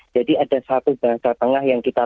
jadi ada satu bahasa tengah yang kita